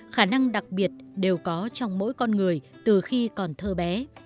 khả năng đặc biệt đều có trong mỗi con người từ khi còn thơ bé